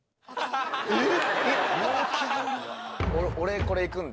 えっ？